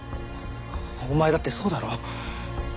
お前だってそうだろ？